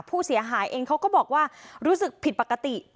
ผู้เสียหายเองเขาก็บอกว่ารู้สึกผิดปกติ